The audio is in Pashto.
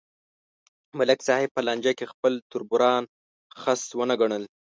ملک صاحب په لانجه کې خپل تربوران خس ونه گڼل